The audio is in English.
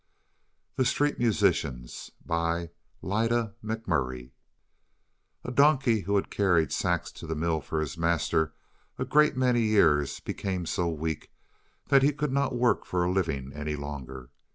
The Street Musicians LIDA MCMURRY A donkey who had carried sacks to the mill for his master a great many years became so weak that he could not work for a living any longer.